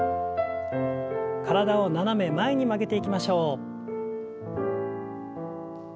体を斜め前に曲げていきましょう。